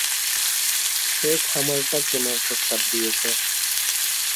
সে খামারটা কেনার প্রস্তাব দিয়েছে।